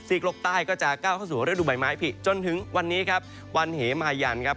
โลกใต้ก็จะก้าวเข้าสู่ฤดูใบไม้ผิดจนถึงวันนี้ครับวันเหมายันครับ